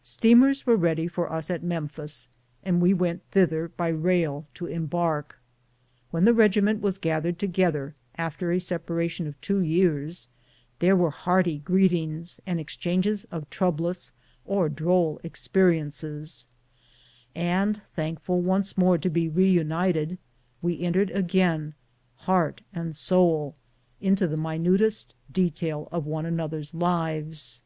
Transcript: Steamers were ready for us at Memphis, and we went thither by rail to embark. When the regiment was gathered together, after a separation of two years, there were hearty greetings, and exchanges of troublous or droll experiences ; and thankful once more to be re united, we entered again, heart and soul, into the mi nutest detail of one another's lives.